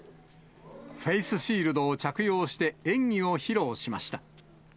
フェイスシールドを着用して、演技を披露しました。